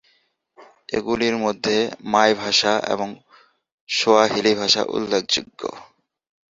এগুলির মধ্যে মায় ভাষা এবং সোয়াহিলি ভাষা উল্লেখযোগ্য।